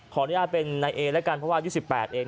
ขออนุญาตเป็นนายเอรกันเพราะว่ายุทธิ์๑๘เอง